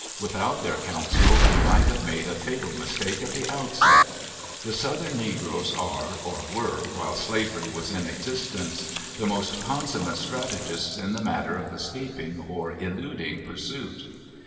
Without their counsel we might have made a fatal mistake at the outset. The southern negroes are, or were while slavery was in existence, the most consummate strategists in the matter of escaping or eluding pursuit.